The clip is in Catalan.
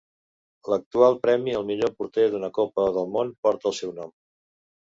L'actual premi al millor porter d'una copa del món porta el seu nom.